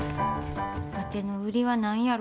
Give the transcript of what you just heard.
わての売りは何やろか？